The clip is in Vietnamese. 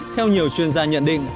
theo nhiều chuyên gia nhận định